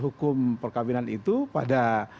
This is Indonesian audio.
hukum perkahwinan itu pada